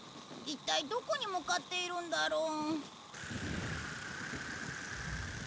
一体どこに向かっているんだろう？